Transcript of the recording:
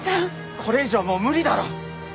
これ以上はもう無理だろ！